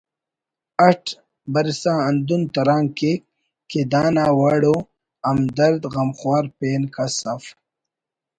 اٹ برسا ہندن تران کیک کہ دانا وڑ ءُ ہمدرد غمخوار پین کس اف